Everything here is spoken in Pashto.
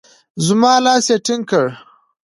زما لاس يې ټينګ کړ.